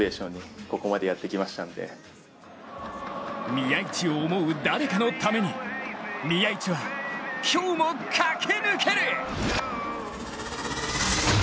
宮市を思う誰かのために宮市は、今日も駆け抜ける！